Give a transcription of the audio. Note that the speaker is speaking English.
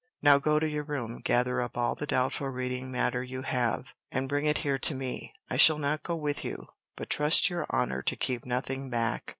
Now go to your room, gather up all the doubtful reading matter you have, and bring it here to me. I shall not go with you, but trust to your honor to keep nothing back."